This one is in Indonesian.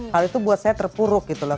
hal itu buat saya terpuruk gitu loh